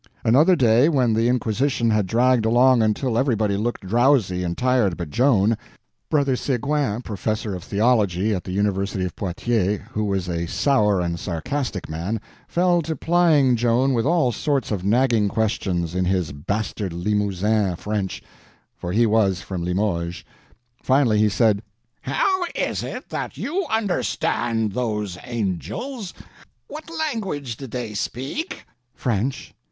Another day, when the inquisition had dragged along until everybody looked drowsy and tired but Joan, Brother Seguin, professor of theology at the University of Poitiers, who was a sour and sarcastic man, fell to plying Joan with all sorts of nagging questions in his bastard Limousin French—for he was from Limoges. Finally he said: "How is it that you understand those angels? What language did they speak?" "French."